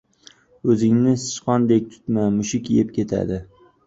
• O‘zingni sichqondek tutma; mushuk yeb ketadi.